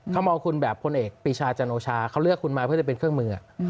เขามองคุณแบบพลเอกปีชาจันโอชาเขาเลือกคุณมาเพื่อจะเป็นเครื่องมือ